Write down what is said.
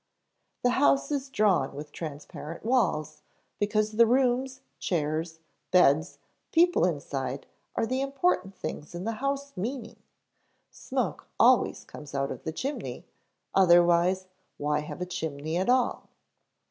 The house is drawn with transparent walls, because the rooms, chairs, beds, people inside, are the important things in the house meaning; smoke always comes out of the chimney otherwise, why have a chimney at all?